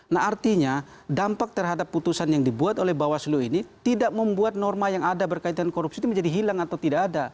nah artinya dampak terhadap putusan yang dibuat oleh bawaslu ini tidak membuat norma yang ada berkaitan korupsi itu menjadi hilang atau tidak ada